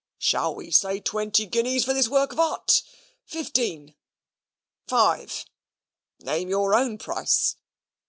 "Shall we say twenty guineas for this work of art? fifteen, five, name your own price.